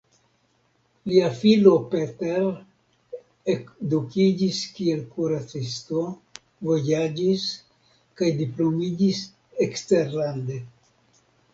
Lia filo Peter edukiĝis kiel kuracisto, vojaĝis kaj diplomiĝis eksterlande.